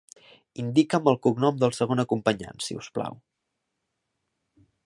Indica'm el cognom del segon acompanyant, si us plau.